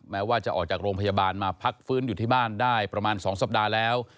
แม้ว่าจะออกจากโรงพยาบาลมาพักฟื้นอยู่ที่บ้านได้ประมาณ๒สัปดาห์แล้ว